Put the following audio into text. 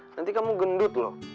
nanti kamu gendut loh